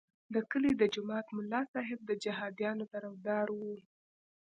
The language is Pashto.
د کلي د جومات ملا صاحب د جهادیانو طرفدار وو.